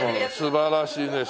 素晴らしいです。